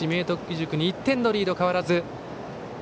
義塾に１点のリード変わらず。